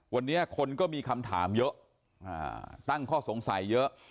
วันนี้คนก็มีคำถามเยอะตั้งข้อสงสัยเยอะ